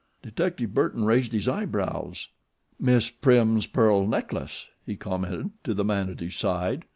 Detective Burton raised his eyebrows. "Miss Prim's pearl necklace," he commented to the man at his side.